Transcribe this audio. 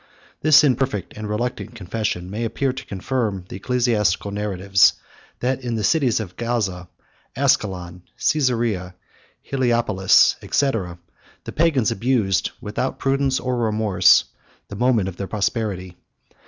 117 This imperfect and reluctant confession may appear to confirm the ecclesiastical narratives; that in the cities of Gaza, Ascalon, Cæsarea, Heliopolis, &c., the Pagans abused, without prudence or remorse, the moment of their prosperity.